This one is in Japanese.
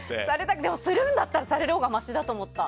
でもするんだったらされるほうが、ましだと思った。